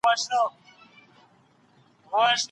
ډاکټر اوږده پاڼه ړنګه کړې وه.